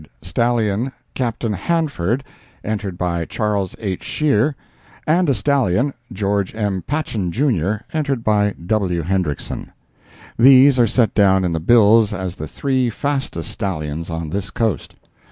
stallion "Captain Hanford," entered by Charles H. Shear; and a stallion "George M. Patchen, Jr.," entered by W. Hendrickson. These are set down in the bills as the three fastest stallions on this Coast.